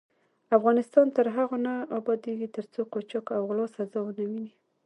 افغانستان تر هغو نه ابادیږي، ترڅو قاچاق او غلا سزا ونه ويني.